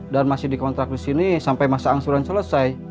dan masih dikontrak disini sampai masa angsuran selesai